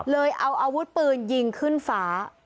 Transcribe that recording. เอาอาวุธปืนยิงขึ้นฟ้า